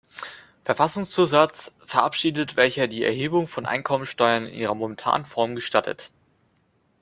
Verfassungszusatz verabschiedet, welcher die Erhebung von Einkommensteuern in ihrer momentanen Form gestattet.